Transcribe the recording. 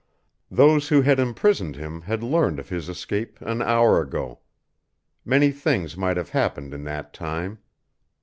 Those who had imprisoned him had learned of his escape an hour ago. Many things might have happened in that time.